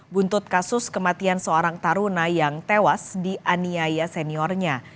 buntut kasus kematian seorang taruna yang tewas dianiaya seniornya